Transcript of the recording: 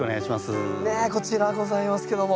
ねえこちらございますけども。